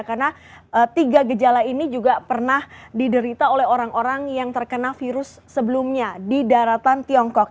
karena tiga gejala ini juga pernah diderita oleh orang orang yang terkena virus sebelumnya di daratan tiongkok